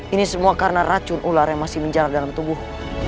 ini semua karena racun ular yang masih menjalar dalam tubuh